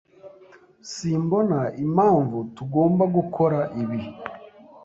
Simbona impamvu tugomba gukora ibi.